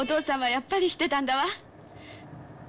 やっぱり知ってたんだわ。